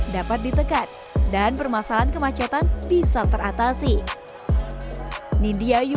dapat ditekan dan permasalahan kemacetan bisa teratasi